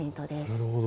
なるほど。